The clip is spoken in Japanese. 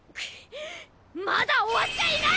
まだ終わっちゃいない！